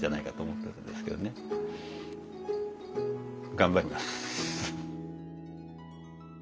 頑張ります。